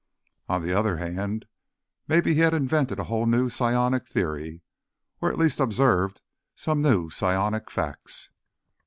On the other hand, maybe he had invented a whole new psionic theory or, at least, observed some new psionic facts.